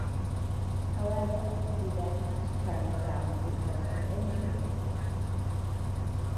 However, he then had to turn it down because of injury.